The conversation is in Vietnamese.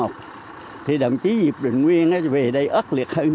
thì đồng chí diệp đình nguyên về đây ớt liệt hơn